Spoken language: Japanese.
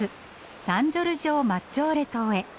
サン・ジョルジョ・マッジョーレ島へ。